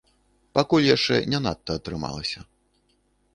Пакуль яшчэ не надта атрымалася.